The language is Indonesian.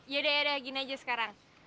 yaudah gini aja sekarang